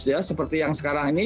ya seperti yang sekarang ini